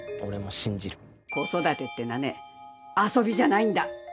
子育てってのはね遊びじゃないんだ。